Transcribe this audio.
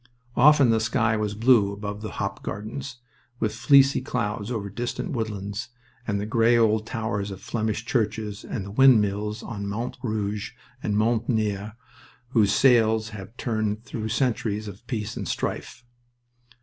Often the sky was blue above the hop gardens, with fleecy clouds over distant woodlands and the gray old towers of Flemish churches and the windmills on Mont Rouge and Mont Neir, whose sails have turned through centuries of peace and strife.